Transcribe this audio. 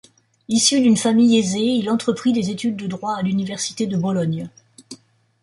Issu d'une famille aisée, il entreprit des études de droit à l'université de Bologne.